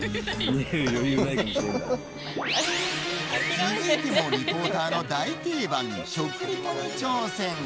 続いてもリポーターの大定番食リポに挑戦。